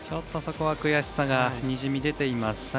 そこは悔しさがにじみ出ています。